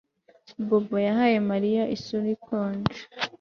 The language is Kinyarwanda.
Bobo yahaye Mariya isura ikonje